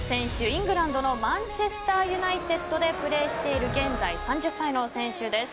イングランドのマンチェスターユナイテッドでプレーしている現在３０歳の選手です。